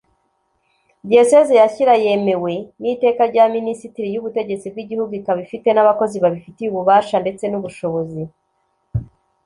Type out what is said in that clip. Diyoseze ya Shyira yemewe n’ Iteka rya Minisitiri y’ubutegetsi bw’igihugu ikaba ifite n’abakozi babifitiye ububasha ndetse n’ubushobozi.